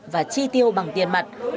và chi tiêu bằng tiền mặt